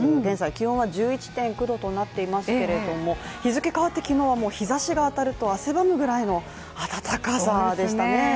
現在、気温は１１．９度となっていますけれども日付変わって昨日は日ざしが当たると汗ばむぐらいの暖かさでしたね。